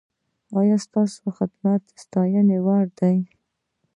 ایا ستاسو خدمت د ستاینې وړ دی؟